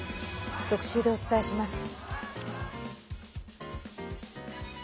特集でお伝えします。